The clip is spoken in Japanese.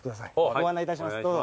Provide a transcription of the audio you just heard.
ご案内いたしますどうぞ。